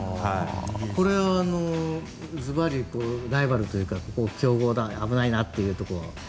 これはずばりライバルというかここ、強豪だとか危ないなというのは。